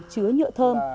chứa nhựa thơm